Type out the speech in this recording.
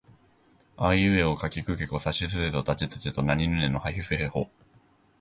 あいうえおかきくけこさしすせそたちつてとなにぬねのはひふへほ